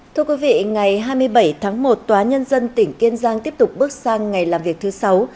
thưa quý vị ngày hai mươi bảy tháng một tòa nhân dân tỉnh kiên giang tiếp tục bước sang ngày làm việc thứ sáu